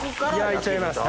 焼いちゃいます。